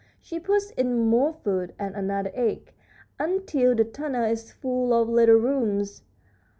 She puts in more food and another egg, until the tunnel is full of little rooms."